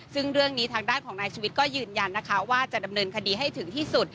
ซึ่งเรื่องนี้ทางด้านของนายชีวิตก็ยืนยันนะคะว่าจะดำเนินคดีให้ถึงที่สุด